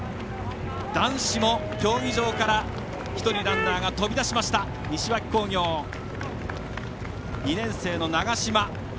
男子も競技場から１人ランナーが飛び出しました、西脇工業２年生の長嶋。